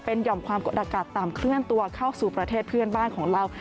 หย่อมความกดอากาศต่ำเคลื่อนตัวเข้าสู่ประเทศเพื่อนบ้านของเรา